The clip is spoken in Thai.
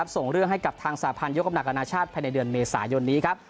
ส่งเรื่องให้กับทางสาพันยกอำนักกรณชาติภายในเดือนเมษายนนี้